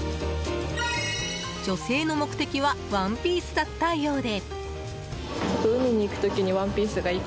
女性の目的はワンピースだったようで。